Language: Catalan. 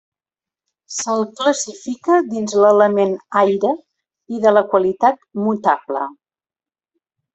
Se'l classifica dins l'element aire i de la qualitat mutable.